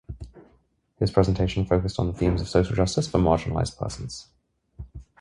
His presentation focused on themes of social justice for marginalized persons.